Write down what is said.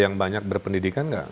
yang banyak berpendidikan nggak